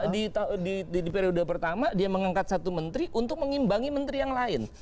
jadi di periode pertama dia mengangkat satu menteri untuk mengimbangi menteri yang lain